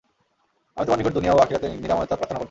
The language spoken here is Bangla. আমি তোমার নিকট দুনিয়া ও আখিরাতে নিরাময়তা প্রার্থনা করছি।